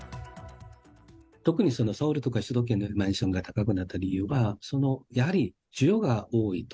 特にソウルとか首都圏でマンションが高くなった理由が、やはり需要が多いと。